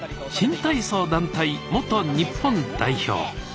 新体操団体元日本代表。